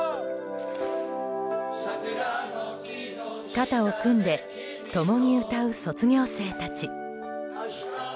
肩を組んで共に歌う卒業生たち。